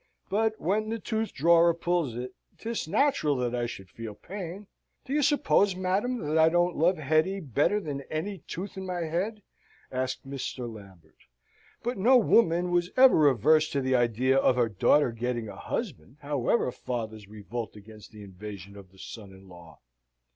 But when the toothdrawer pulls it, 'tis natural that I should feel pain. Do you suppose, madam, that I don't love Hetty better than any tooth in my head?" asks Mr. Lambert. But no woman was ever averse to the idea of her daughter getting a husband, however fathers revolt against the invasion of the son in law.